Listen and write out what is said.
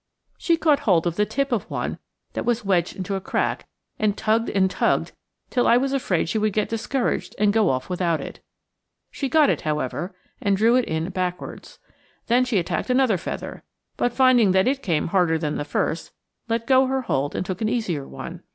She caught hold of the tip of one that was wedged into a crack, and tugged and tugged till I was afraid she would get discouraged and go off without it. She got it, however, and drew it in backwards. Then she attacked another feather, but finding that it came harder than the first, let go her hold and took an easier one.